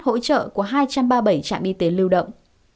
hỗ trợ của hai trăm ba mươi bảy trạm y tế lưu động